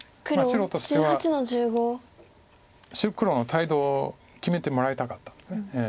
白としては黒の態度を決めてもらいたかったんです。